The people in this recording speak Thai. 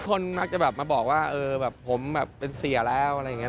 คนมักจะมาบอกว่าเออผมเป็นเสียแล้วอะไรอย่างนี้